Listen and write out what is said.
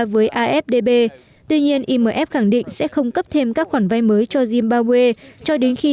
với afdb tuy nhiên imf khẳng định sẽ không cấp thêm các khoản vay mới cho zimbabwe cho đến khi